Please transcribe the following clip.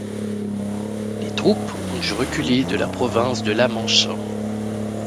Les troupes ont dû reculer de la province de la Mancha.